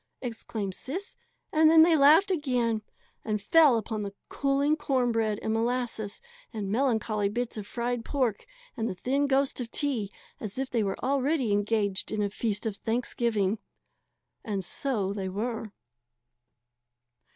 exclaimed Sis. And then they laughed again, and fell upon the cooling corn bread and molasses and melancholy bits of fried pork and the thin ghost of tea as if they were already engaged in a feast of Thanksgiving. And so they were.